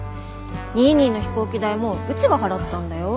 ニーニーの飛行機代もうちが払ったんだよ。